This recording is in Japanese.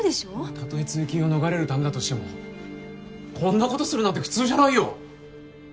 たとえ追及を逃れる為だとしてもこんなことするなんて普通じゃないよ！